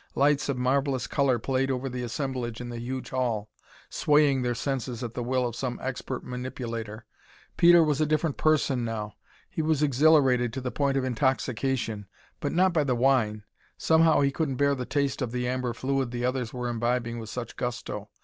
Lights of marvelous color played over the assemblage in the huge hall, swaying their senses at the will of some expert manipulator. Peter was a different person now. He was exhilarated to the point of intoxication, but not by the wine. Somehow he couldn't bear the taste of the amber fluid the others were imbibing with such gusto.